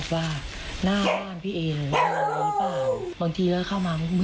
ก็คือสิ่งนี้นะครับ